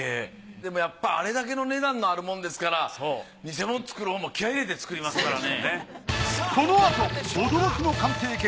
でもやっぱりあれだけの値段のあるものですから偽物作るほうも気合い入れて作りますからね。